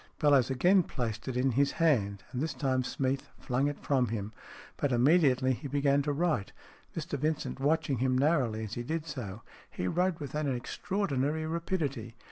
Bellowes again placed it in his hand, and this time Smeath flung it from him. But immediately he began to write, Mr Vincent watching him narrowly as he did so. He wrote with an extra ordinary rapidity.